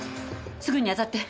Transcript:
すぐにあたって！